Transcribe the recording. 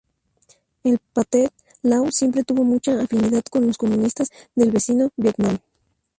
El Pathet Lao siempre tuvo mucha afinidad con los comunistas del vecino Vietnam.